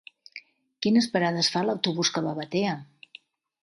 Quines parades fa l'autobús que va a Batea?